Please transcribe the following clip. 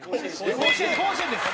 甲子園です。